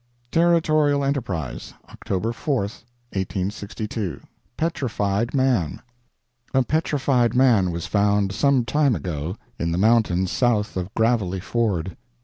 Territorial Enterprise, October 4, 1862 PETRIFIED MAN A petrified man was found some time ago in the mountains south of Gravelly Ford.